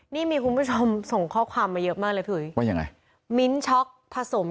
นี่มีคุณผู้ชมส่งข้อความมาเยอะมากเลยพี่อุ๋ยว่ายังไงมิ้นท็อกผสม